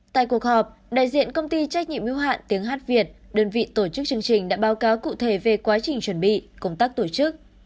tại cuộc họp đại diện công ty trách nhiệm yêu hạn tiếng hát việt đơn vị tổ chức chương trình đã báo cáo cụ thể về quá trình chuẩn bị công tác tổ chức